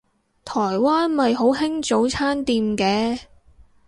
台灣咪好興早餐店嘅